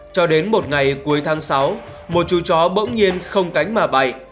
cho đến một ngày cuối tháng sáu một chú chó bỗng nhiên không cánh mà bậy